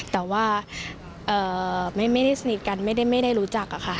แต่ว่าไม่ได้รู้จักค่ะ